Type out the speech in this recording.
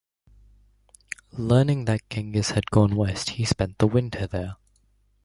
Learning that Genghis had gone West, he spent winter there.